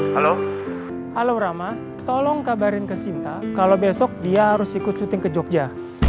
halo halo rama tolong kabarin ke sinta kalau besok dia harus ikut syuting ke jogja